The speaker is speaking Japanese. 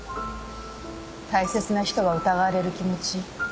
大切な人が疑われる気持ち